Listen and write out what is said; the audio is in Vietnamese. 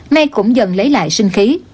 nay cũng dần lấy lại sinh khí